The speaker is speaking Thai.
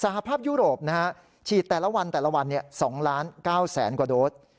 สหภาพยุโรปฉีดแต่ละวัน๒๙๐๐๐๐๐โดสต์